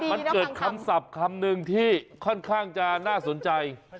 มันเกิดคำศัพท์คำนึงที่ค่อนข้างจะน่าสนใจ